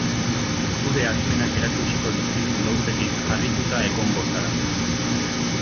Zure adimenak erakutsiko dizkizun gauzekin harrituta egongo zara.